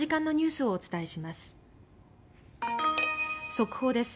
速報です。